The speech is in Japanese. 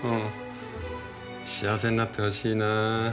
幸せになってほしいなあ。